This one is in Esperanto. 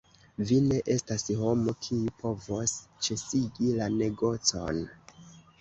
Vi ne estas homo, kiu povos ĉesigi la negocon!